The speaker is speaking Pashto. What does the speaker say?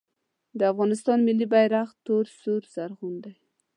د افغانستان ملي بیرغ تور سور زرغون دی